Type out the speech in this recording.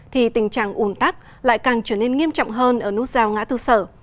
thì tình trạng ủn tắc lại càng trở nên nghiêm trọng hơn ở nút rào ngã thư sở